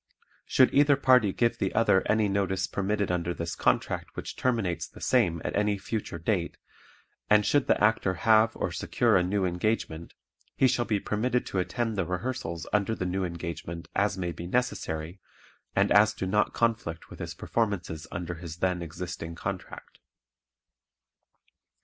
Should either party give the other any notice permitted under this contract which terminates the same at any future date and should the Actor have or secure a new engagement he shall be permitted to attend the rehearsals under the new engagement as may be necessary and as do not conflict with his performances under his then existing contract.